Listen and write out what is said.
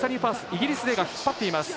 イギリス勢が引っ張っています。